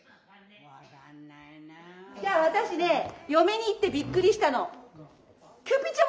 私ね嫁に行ってびっくりしたの。